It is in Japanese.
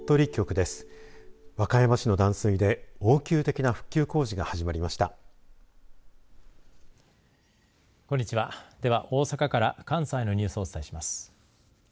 では、大阪から関西のニュースをお伝えします。